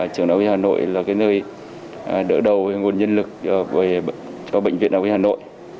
trường đại hội hà nội là nơi đỡ đầu nguồn nhân lực cho bệnh viện đại hội hà nội